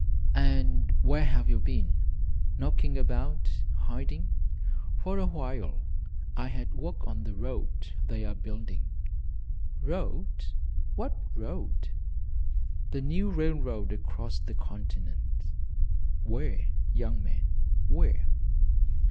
"And where have you been?" "Knocking about hiding. For a while I had work on the road they are building " "Road? What road?" "The new railroad across the continent." "Where, young man, where?"